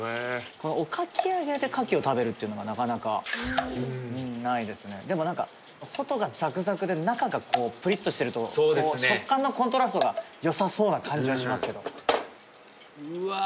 このおかき揚げでカキを食べるっていうのがなかなかないですねでもなんか外がザクザクで中がプリッとしてると食感のコントラストがよさそうな感じはしますけどうわあ